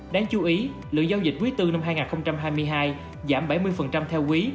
đáng chú ý lượng giao dịch quý bốn năm hai nghìn hai mươi hai giảm bảy mươi theo quý